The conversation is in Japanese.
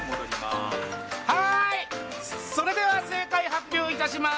それでは正解を発表いたします。